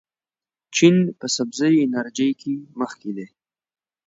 چین په سبزې انرژۍ کې مخکښ دی.